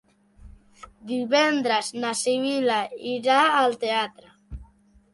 Divendres na Sibil·la irà al teatre.